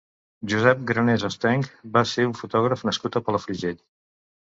Josep Granés Hostench va ser un fotògraf nascut a Palafrugell.